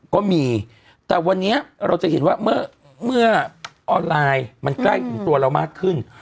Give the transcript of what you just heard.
ก็มีแต่วันนี้เราจะเห็นว่าเมื่อออนไลน์มันใกล้ถึงตัวเรามากขึ้น